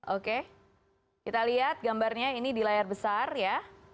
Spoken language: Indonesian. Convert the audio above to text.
oke kita lihat gambarnya ini di layar besar ya